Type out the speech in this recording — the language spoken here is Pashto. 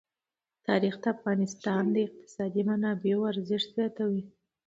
تاریخ د افغانستان د اقتصادي منابعو ارزښت زیاتوي.